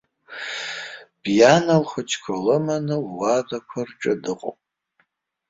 Биана лхәыҷқәа лыманы луадақәа рҿы дыҟоуп.